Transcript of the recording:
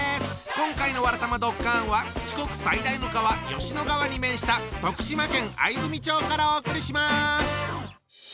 今回の「わらたまドッカン」は四国最大の川吉野川に面した徳島県藍住町からお送りします！